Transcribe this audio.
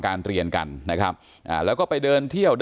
อยากให้สังคมรับรู้ด้วย